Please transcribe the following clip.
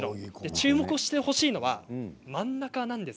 注目してほしいのは真ん中です。